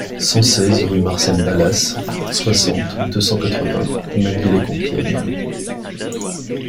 cent seize rue Marcel Balasse, soixante, deux cent quatre-vingts, Margny-lès-Compiègne